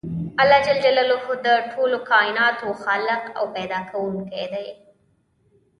الله ج د ټولو کایناتو خالق او پیدا کوونکی دی .